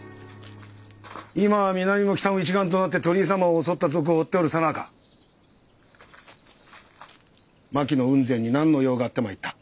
今は南も北も一丸となって鳥居様を襲った賊を追っておるさなか牧野雲仙に何の用があって参った？